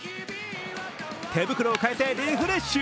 手袋をかえてリフレッシュ。